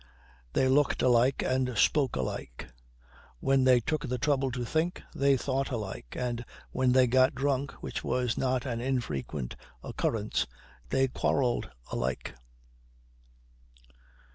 They looked alike and spoke alike; when they took the trouble to think, they thought alike; and when they got drunk, which was not an infrequent occurrence, they quarrelled alike.